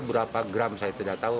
berapa gram saya tidak tahu